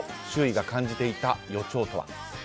周囲が感じていた予兆とは。